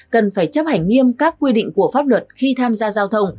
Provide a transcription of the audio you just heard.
cần phải chấp hành nghiêm các quy định của pháp luật khi tham gia giao thông